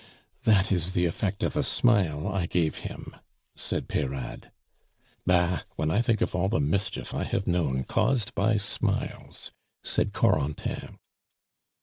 "That is the effect of a smile I gave him," said Peyrade. "Bah! when I think of all the mischief I have known caused by smiles!" said Corentin.